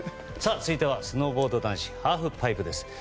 続いてスノーボード男子ハーフパイプです。